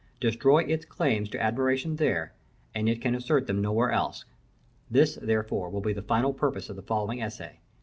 Destroy its claims to admiration there, and it can assert them nowhere else. This, therefore, will be the final purpose of the following essay.